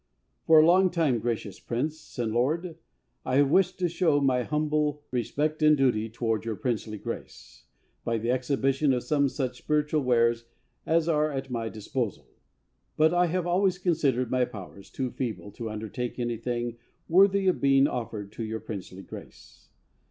For a long time, gracious Prince and Lord, I have wished to show my humble respect and duty toward your princely Grace, by the exhibition of some such spiritual wares as are at my disposal; but I have always considered my powers too feeble to undertake anything worthy of being offered to your princely Grace.